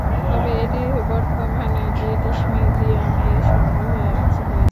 তবে এটি বর্তমানে ব্রিটিশ মিউজিয়াম এর সংগ্রহে রয়েছে।